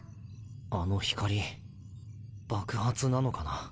あの光爆発なのかなぁ。